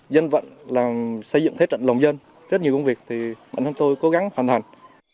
dân vận là xây dựng thế trận lòng dân rất nhiều công việc thì bản thân tôi cố gắng hoàn thành